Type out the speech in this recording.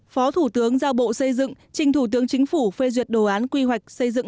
phó thủ tướng giao bộ xây dựng trình thủ tướng chính phủ phê duyệt đồ án quy hoạch xây dựng